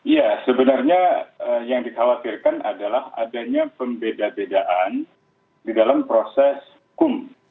ya sebenarnya yang dikhawatirkan adalah adanya pembeda bedaan di dalam proses hukum